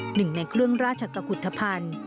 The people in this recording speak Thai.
หนึ่งในเครื่องราชกุฏภัณฑ์